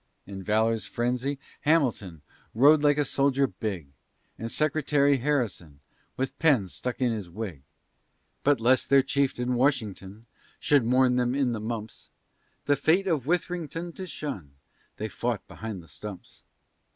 In valor's frenzy, Hamilton Rode like a soldier big, And Secretary Harrison, With pen stuck in his wig. But lest their chieftain, Washington, Should mourn them in the mumps, The fate of Withrington to shun, They fought behind the stumps.